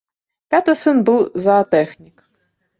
Пяты сын быў заатэхнік.